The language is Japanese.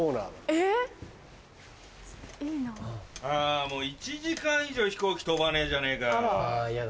あもう１時間以上飛行機飛ばねえじゃねぇか。